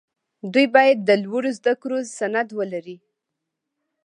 دوی باید د لوړو زدکړو سند ولري.